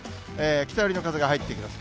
北寄りの風が入ってきます。